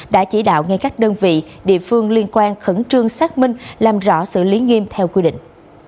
đã chỉ đạo ngay các đơn vị địa phương liên quan khẩn trương xác minh làm rõ xử lý nghiêm theo quy định